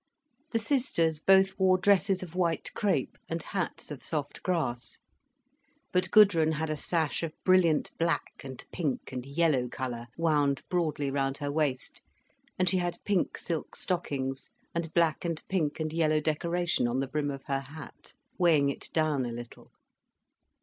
The sisters both wore dresses of white crêpe, and hats of soft grass. But Gudrun had a sash of brilliant black and pink and yellow colour wound broadly round her waist, and she had pink silk stockings, and black and pink and yellow decoration on the brim of her hat, weighing it down a little.